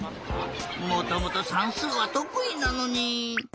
もともとさんすうはとくいなのに。